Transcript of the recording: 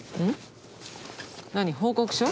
何報告書？